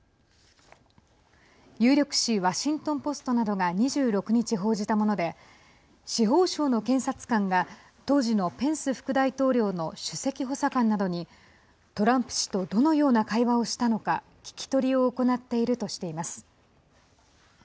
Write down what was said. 有力紙ワシントン・ポストなどが２６日報じたもので司法省の検察官が当時のペンス副大統領の首席補佐官などにトランプ氏とどのような会話をしたのか聞き取りを行っているとしています。